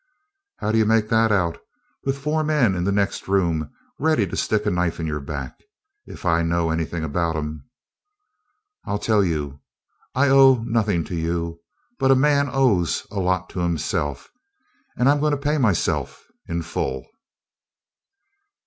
"How do you make that out with four men in the next room ready to stick a knife in your back if I know anything about 'em?" "I'll tell you: I owe nothing to you, but a man owes a lot to himself, and I'm going to pay myself in full."